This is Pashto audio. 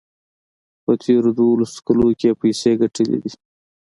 په تېرو دولسو کالو کې یې پیسې ګټلې وې.